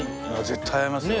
絶対合いますよ。